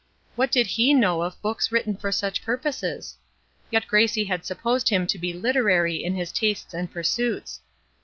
What did he know of books written for such purposes? Yet Gracie had supposed him to be literary in his tastes and pursuits.